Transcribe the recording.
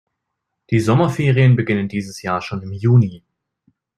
Die Sommerferien beginnen dieses Jahr schon im Juni.